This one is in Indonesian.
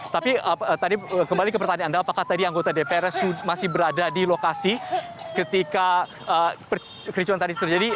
tapi tadi kembali ke pertanyaan anda apakah tadi anggota dpr masih berada di lokasi ketika kericuan tadi terjadi